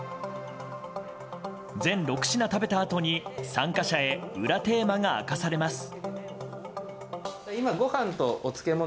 全６品食べたあとに、参加者へ裏テーマが明かされます。